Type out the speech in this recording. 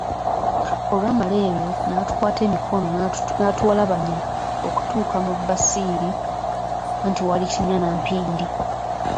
Olwamala ebyo n'atukwata emikono n'atuwalabanya okutuuka mu bassiiri, anti waali kinnya na mpindi.